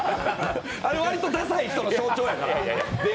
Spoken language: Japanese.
あれ、割とダサイ人の象徴やから。